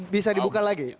bisa dibuka lagi